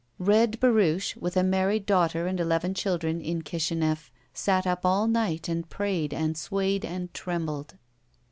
Reb Baruch, with a married daugh ter and eleven children in Kishinef, sat up all night and prayed and swayed and trembled.